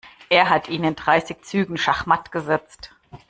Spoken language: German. Er hat ihn in dreißig Zügen schachmatt gesetzt.